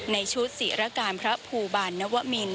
ในชุดศิรการพระภูบาลนวมิน